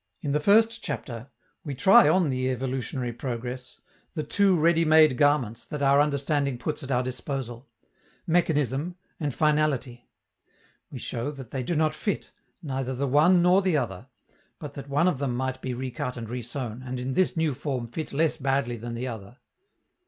In the first chapter, we try on the evolutionary progress the two ready made garments that our understanding puts at our disposal, mechanism and finality; we show that they do not fit, neither the one nor the other, but that one of them might be recut and resewn, and in this new form fit less badly than the other.